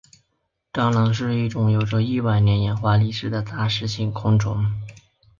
蟑螂是一种有着亿万年演化历史的杂食性昆虫。